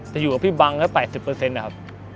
จะอยู่กับพี่บังละ๘๐ครับ